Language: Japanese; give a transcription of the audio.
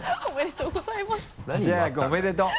橋原君おめでとう。